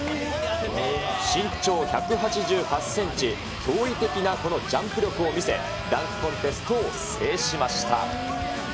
身長１８８センチ、驚異的なこのジャンプ力を見せ、ダンクコンテストを制しました。